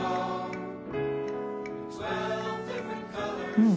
うん。